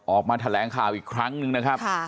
ออกมาแถลงข่าวอีกครั้งหนึ่งนะครับ